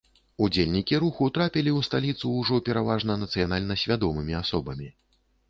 Удзельнікі руху трапілі ў сталіцу ўжо пераважна нацыянальна свядомымі асобамі.